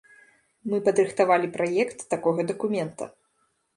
Мы падрыхтавалі праект такога дакумента.